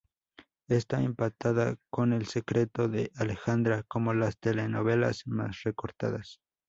Esta empatada con El secreto de Alejandra cómo las telenovelas más recortadas.